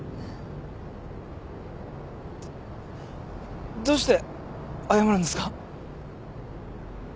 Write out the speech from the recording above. どっどうして謝るんですか？